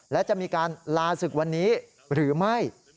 และจะมีการลาศึกวันนี้หรือไม่